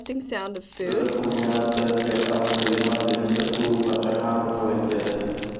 دده په وینا د فرعون کلمه د مصر ټولو پاچاهانو ته ویل کېده.